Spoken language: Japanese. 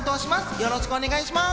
よろしくお願いします！